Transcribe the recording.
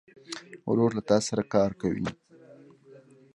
ورور له تا سره کار کوي.